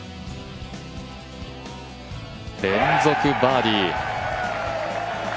連続バーディー。